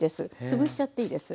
潰しちゃっていいです。